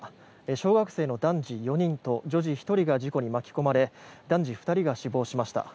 小学生の男児４人と女児１人が事故に巻き込まれ男児２人が死亡しました。